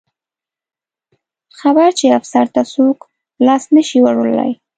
خبر چې افسر ته څوک لاس نه شي وروړلی.